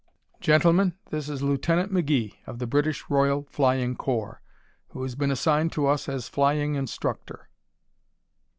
"Gentlemen, this is Lieutenant McGee, of the British Royal Flying Corps, who has been assigned to us as flying instructor."